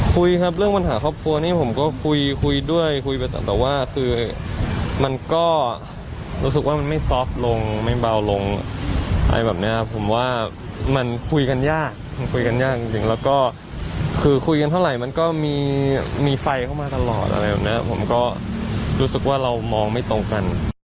คุยครับเรื่องปัญหาครอบครัวนี้ผมก็คุยคุยด้วยคุยไปแต่ว่าคือมันก็รู้สึกว่ามันไม่ซอฟต์ลงไม่เบาลงอะไรแบบนี้ผมว่ามันคุยกันยากมันคุยกันยากจริงแล้วก็คือคุยกันเท่าไหร่มันก็มีไฟเข้ามาตลอดอะไรแบบนี้ผมก็รู้สึกว่าเรามองไม่ตรงกัน